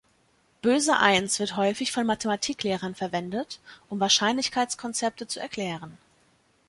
Böse Eins wird häufig von Mathematiklehrern verwendet, um Wahrscheinlichkeitskonzepte zu erklären.